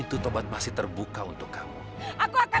dan apa jadi anda juga